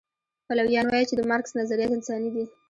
پلویان وایي چې د مارکس نظریات انساني دي.